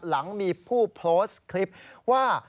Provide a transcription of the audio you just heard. หลังมีผู้โพสต์คลิปว่า